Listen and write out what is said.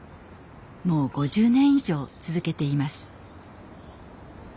もう５０年以上続けています。